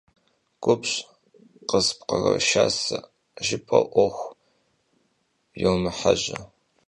Gubj khıspkhıroşşase jjıp'eu 'Uexu yomıhejje.